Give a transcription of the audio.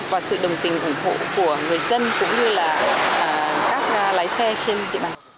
và sự đồng tình ủng hộ của người dân cũng như là các lái xe trên địa bàn